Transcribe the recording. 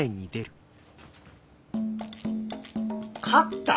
勝った？